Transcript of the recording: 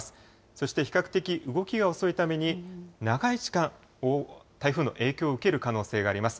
そして比較的、動きが遅いために、長い時間、台風の影響を受ける可能性があります。